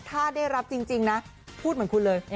ถ้าได้รับจริงนะพูดเหมือนคุณเลย